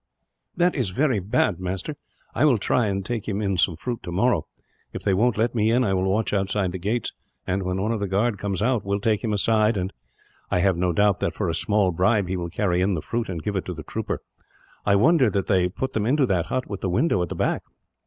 "That is very bad, master. I will try and take him in some fruit, tomorrow. If they won't let me in, I will watch outside the gates and, when one of the guard comes out, will take him aside; and I have no doubt that, for a small bribe, he will carry in the fruit and give it to the trooper. I wonder that they put them into that hut with the window at the back."